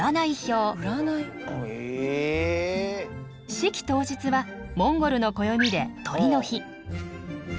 式当日はモンゴルの暦で酉の日。